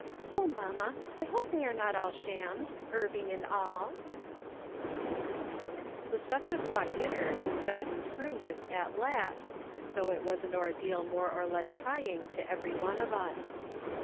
Oh, mamma, I hope they are not all shams, Irving and all !" The seven o'clock dinner was gotten through with at lasL though it was au ordeal more or less trying 90 MRS. SOLOMON SMITH LOOKING ON. to every one of us.